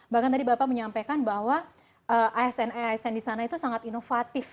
bahkan tadi bapak menyampaikan bahwa asn asn di sana itu sangat inovatif